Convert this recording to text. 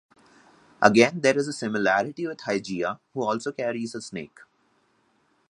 Again there is a similarity with Hygeia, who also carries a snake.